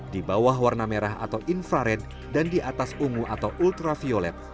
di bawah warna merah atau infrared dan di atas ungu atau ultraviolet